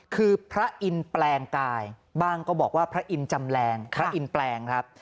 คือพระอินทร์แปลงกายบ้างก็บอกว่าพระอินทร์จำแรงพระอินแปลงครับ